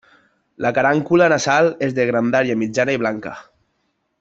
La carúncula nasal és de grandària mitjana i blanca.